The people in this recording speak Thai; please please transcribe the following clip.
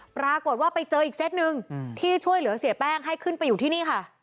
ปรากฏว่าไปเจออีกเซตหนึ่งที่ช่วยเหลือเสียแป้งให้ขึ้นไปอยู่ที่นี่ค่ะ